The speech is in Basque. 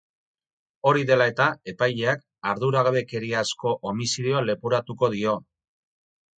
Hori dela eta, epaileak arduragabekeriazko homizidioa leporatuko dio.